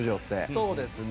そうですね。